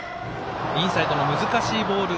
インサイドの難しいボール。